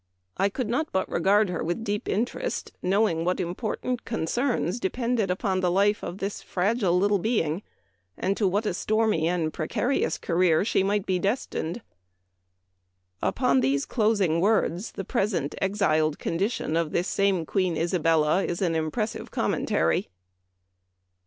I could not but regard her with deep interest, knowing what important concerns depended upon the life of this fragile little being, and to what a stormy and precarious career she might be destined." Upon these closing words the pres ent exiled condition of this same Queen Isabella is an impressive commentary.